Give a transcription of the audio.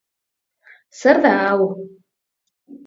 Zer da hau?